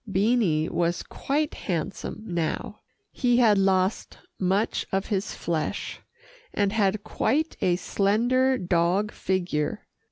Beanie was quite handsome now. He had lost much of his flesh, and had quite a slender dog figure.